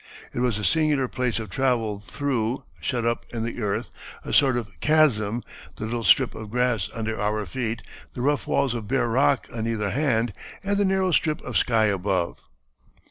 It was a singular place to travel through shut up in the earth, a sort of chasm, the little strip of grass under our feet, the rough walls of bare rock on either hand, and the narrow strip of sky above."